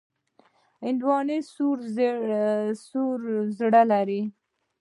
هندوانه سور زړه لري.